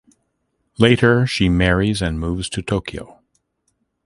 Later she marries and moves to Tokyo.